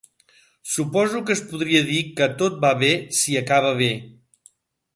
Suposo que es podria dir que tot va bé si acaba bé.